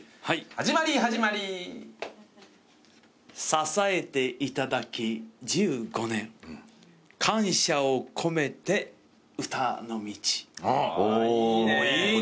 「支えて頂き十五年」「感謝を込めて歌の道」いいね。